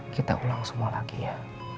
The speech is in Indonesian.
kita ulang semua lagi ya